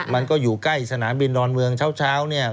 มันก็อยู่ใกล้สนามบินดอนเมืองเช้าเนี่ย